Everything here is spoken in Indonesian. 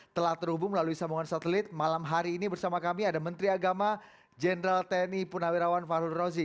telah terhubung melalui sambungan satelit malam hari ini bersama kami ada menteri agama jenderal tni punawirawan fahrul rozi